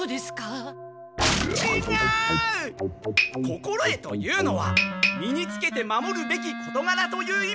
心得というのは身につけて守るべき事柄という意味だ！